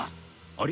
あれ？